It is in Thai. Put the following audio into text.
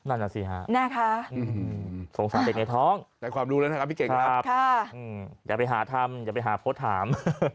นั่นแหละสิฮะสงสัยเด็กในท้องพี่เก่งครับอย่าไปหาธรรมอย่าไปหาโพสต์ถาม